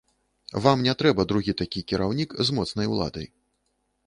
Вам не трэба другі такі кіраўнік з моцнай уладай.